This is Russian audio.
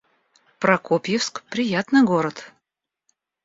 Прокопьевск — приятный город